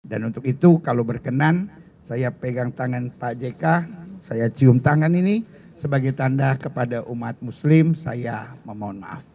dan untuk itu kalau berkenan saya pegang tangan pak jk saya cium tangan ini sebagai tanda kepada umat muslim saya memohon maaf